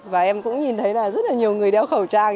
và em cũng nhìn thấy là rất là nhiều người đeo khẩu trang